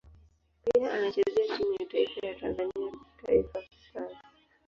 Pia anachezea timu ya taifa ya Tanzania Taifa Stars.